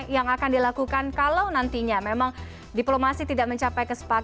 yang akan dilakukan kalau nantinya memang diplomasi tidak mencapai kesepakatan